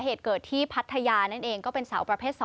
เหตุเกิดที่พัทยานั่นเองก็เป็นสาวประเภท๒